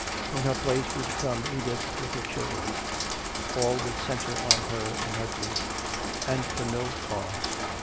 In her place would come Edith with her children. All would center on her in her grief. And for no cause!